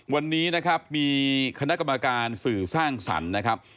วันนี้นะครับมีคณะกรรมการสื่อสร้างสรรค์นะครับ